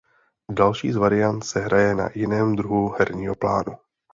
Další z variant se hraje na jiném druhu herního plánu.